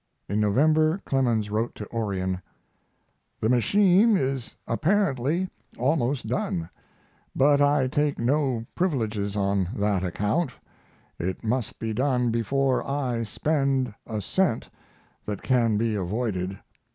In November Clemens wrote to Orion: The machine is apparently almost done but I take no privileges on that account; it must be done before I spend a cent that can be avoided.